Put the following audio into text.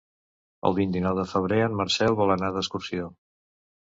El vint-i-nou de febrer en Marcel vol anar d'excursió.